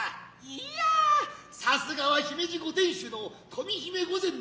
いやさすがは姫路ご天守の富姫御前の禿たちじゃ。